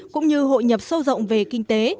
cũng như hội nhập sâu rộng về kinh tế